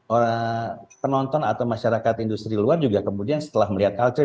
orang penonton atau masyarakat industri luar juga kemudian setelah melihat culture